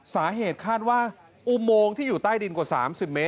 สาเหตุคาดว่าอุโมงที่อยู่ใต้ดินกว่า๓๐เมตร